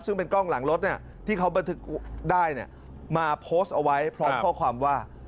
ซึ่งเป็นกล้องหลังรถที่เขาบันทึกได้มาโพสต์เอาไว้พร้อมข้อความว่า